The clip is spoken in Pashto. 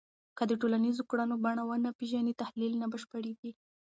که د ټولنیزو کړنو بڼه ونه پېژنې، تحلیل نه بشپړېږي